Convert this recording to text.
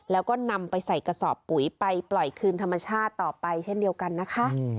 แล้วก็นำไปใส่กระสอบปุ๋ยไปปล่อยคืนธรรมชาติต่อไปเช่นเดียวกันนะคะ